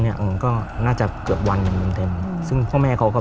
เนี่ยก็น่าจะเกือบวันมันเต็มซึ่งพ่อแม่เขาก็